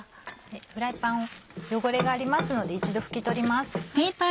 フライパン汚れがありますので一度拭き取ります。